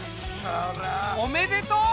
おめでとう！